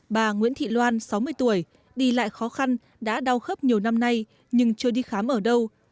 bà nguyễn thị loan sáu mươi tuổi đi lại khó khăn đã đau khớp nhiều năm nay nhưng chưa đi khám ở đâu